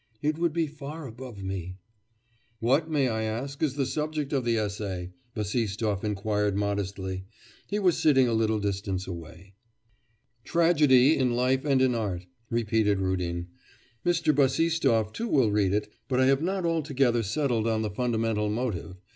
'It would be far above me.' 'What, may I ask, is the subject of the essay?' Bassistoff inquired modestly. He was sitting a little distance away. '"Tragedy in Life and in Art,"' repeated Rudin. 'Mr. Bassistoff too will read it. But I have not altogether settled on the fundamental motive.